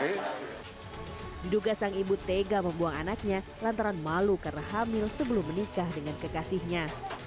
diduga sang ibu tega membuang anaknya lantaran malu karena hamil sebelum menikah dengan kekasihnya